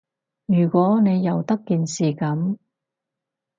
如果你由得件事噉